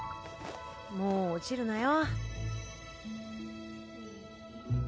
もう落ちるなよ。